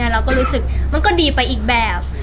เราก็รู้สึกมันก็ดีไปอีกแบบ